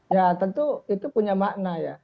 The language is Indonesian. ya tentu itu punya makna ya